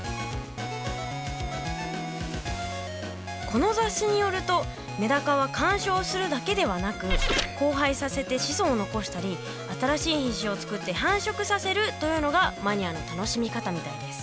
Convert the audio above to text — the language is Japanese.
この雑誌によるとメダカは鑑賞するだけではなく交配させて子孫を残したり新しい品種をつくって繁殖させるというのがマニアの楽しみ方みたいです。